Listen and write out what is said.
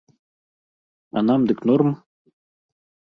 А нам дык норм!